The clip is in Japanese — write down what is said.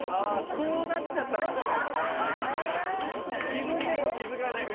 そうなっちゃったかもしれないですね。